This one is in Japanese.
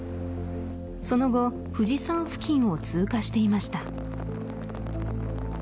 その後富士山付近を通過していました